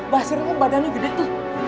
basir kok badannya gede tuh